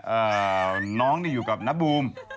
น้องนี่อยู่กับน้าบูม